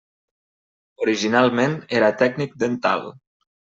Originalment era tècnic dental.